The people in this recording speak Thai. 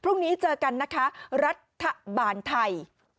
พรุ่งนี้เจอกันนะคะรัฐบาลไทย